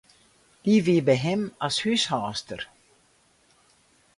Dy wie by him as húshâldster.